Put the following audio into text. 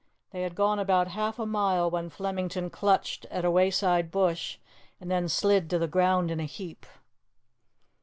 They had gone about half a mile when Flemington clutched at a wayside bush and then slid to the ground in a heap.